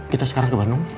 kita sekarang ke bandung